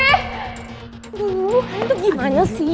duh kalian tuh gimana sih